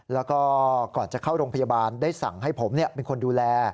แล้วก็ก่อนจะเข้าโรงพยาบาลได้สั่งให้ผมเป็นคนดูแล